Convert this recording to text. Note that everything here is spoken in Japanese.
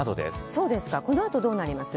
そうですか、このあとどうなります？